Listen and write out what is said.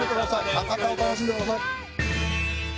博多を楽しんでください。